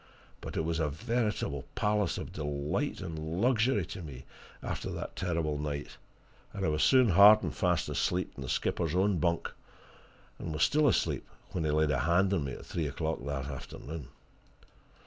But it was a veritable palace of delight and luxury to me after that terrible night, and I was soon hard and fast asleep in the skipper's own bunk and was still asleep when he laid a hand on me at three o'clock that afternoon.